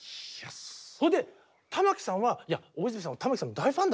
それで玉置さんは大泉さんは玉置さんの大ファンだと。